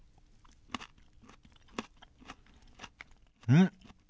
うん！